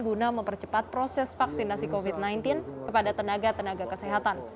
guna mempercepat proses vaksinasi covid sembilan belas kepada tenaga tenaga kesehatan